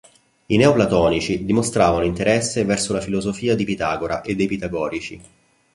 I neoplatonici dimostravano interesse verso la filosofia di Pitagora e dei pitagorici.